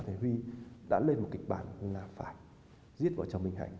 thì huy đã lên một kịch bản là phải giết vợ chồng mình hạnh